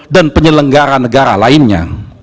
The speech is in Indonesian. dan penyelenggaran negara lainnya